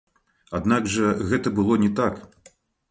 Аднак жа гэта было не так.